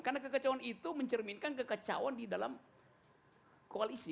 karena kekacauan itu mencerminkan kekacauan di dalam koalisi